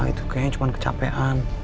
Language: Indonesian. itu kayaknya cuma kecapean